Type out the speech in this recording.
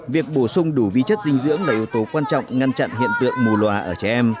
việc bổ sung đủ vi chất dinh dưỡng là yếu tố quan trọng ngăn chặn hiện tượng mù loà ở trẻ em